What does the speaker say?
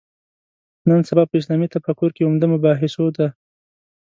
نن سبا په اسلامي تفکر کې عمده مباحثو ده.